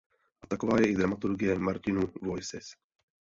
A taková je i dramaturgie Martinů Voices.